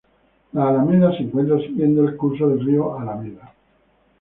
La alameda se encuentra siguiendo el curso del río Alameda.